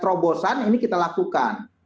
terobosan ini kita lakukan